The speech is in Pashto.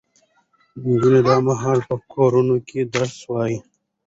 نجونې دا مهال په کورونو کې درس وايي.